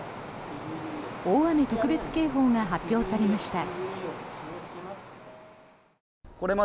大雨特別警報が発表されました。